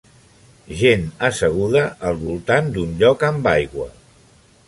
Gent asseguda al voltant d'un lloc amb aigua.